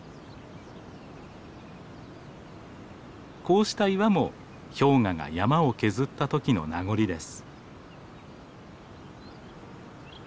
こうした岩も氷河が山を削ったときの名残です。